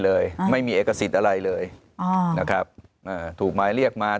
เลยไม่มีเอกสิทธิ์อะไรเลยอ๋อนะครับอ่าถูกหมายเรียกมา